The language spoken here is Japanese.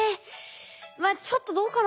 まあちょっとどうかなって思う。